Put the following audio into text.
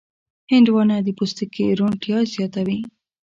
هندوانه د پوستکي روڼتیا زیاتوي.